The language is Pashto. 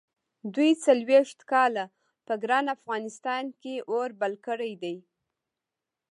دوی څلوېښت کاله په ګران افغانستان کې اور بل کړی دی.